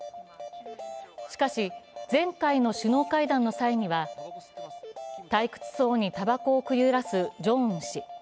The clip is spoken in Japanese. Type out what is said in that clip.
しかし、前回の首脳会談の際には退屈そうにたばこをくゆらすジョンウン氏。